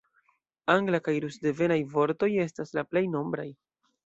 Angla- kaj rus-devenaj vortoj estas la plej nombraj.